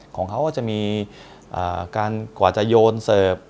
ของเขาก็จะมีการกว่าจะโยนเสิร์ฟ